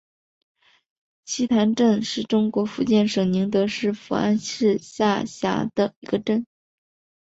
溪潭镇是中国福建省宁德市福安市下辖的一个镇。